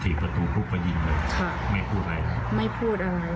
ถีบประตูพลุกไปยิงเลยค่ะไม่พูดอะไรไม่พูดอะไร